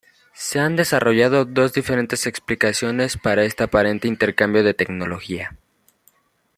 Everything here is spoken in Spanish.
Se han desarrollado dos diferentes explicaciones para este aparente intercambio de tecnología.